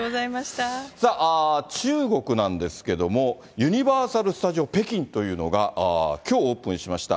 さあ、中国なんですけども、ユニバーサル・スタジオ・北京というのがきょうオープンしました。